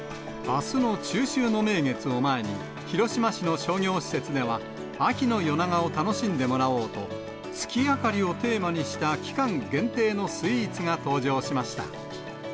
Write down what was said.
あすの中秋の名月を前に、広島市の商業施設では、秋の夜長を楽しんでもらおうと、月明かりをテーマにした期間限定のスイーツが登場しました。